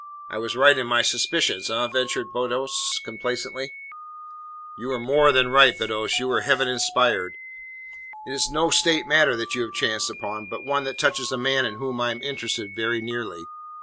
"I was right in my suspicions, eh?" ventured Beddoes complacently. "You were more than right, Beddoes, you were Heaven inspired. It is no State matter that you have chanced upon, but one that touches a man in whom I am interested very nearly."